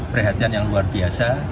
perhatian yang luar biasa